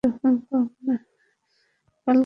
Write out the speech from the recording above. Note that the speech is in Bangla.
পালঘাট শহরটি জেলার সদর দপ্তর।